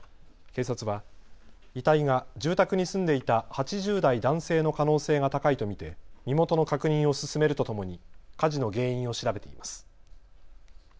警察は遺体が住宅に住んでいた８０代男性の可能性が高いと見て身元の確認を進めるとともに火事の原因を調べています。